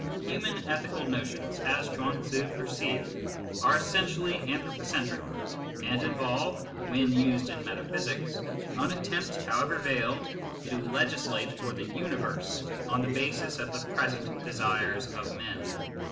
Human ethical notions, as Chuang Tzu perceived, are essentially anthropocentric, and involve, when used in metaphysics, an attempt, how ever veiled, to legislate for the universe on the basis of the present desires of men.